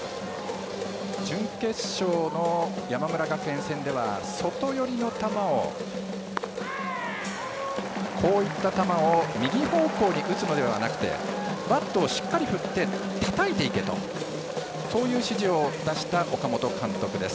準決勝の山村学園戦では外寄りの球を右方向に打つのではなくてバットをしっかり振ってたたいていけとそういう指示を出した岡本監督。